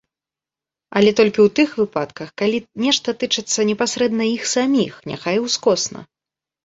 Але толькі ў тых выпадках, калі нешта тычыцца непасрэдна іх саміх, няхай і ўскосна.